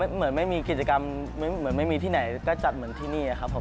เหมือนไม่มีกิจกรรมเหมือนไม่มีที่ไหนก็จัดเหมือนที่นี่ครับผม